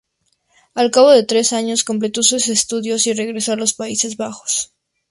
Al cabo de tres años completó sus estudios y regresó a los Países Bajos.